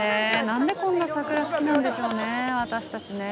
なんで、こんな桜好きなんでしょうね、私たちね。